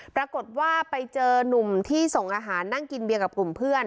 ปรากฏว่าไปเจอนุ่มที่ส่งอาหารนั่งกินเบียร์กับกลุ่มเพื่อน